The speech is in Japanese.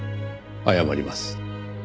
謝ります。